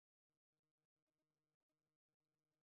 长穗蜡瓣花为金缕梅科蜡瓣花属下的一个种。